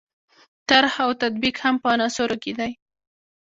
طرح او تطبیق هم په عناصرو کې دي.